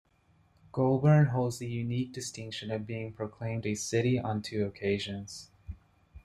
Goulburn holds the unique distinction of being proclaimed a City on two occasions.